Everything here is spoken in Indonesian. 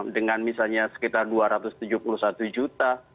dengan misalnya sekitar dua ratus tujuh puluh satu juta